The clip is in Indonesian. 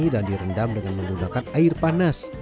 dan direndam dengan menggunakan air panas